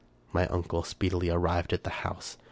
My uncle speedily arrived at the house.